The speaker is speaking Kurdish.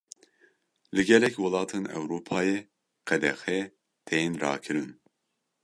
Li gelek welatên Ewropayê qedexe tên rakirin.